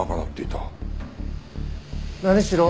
何しろ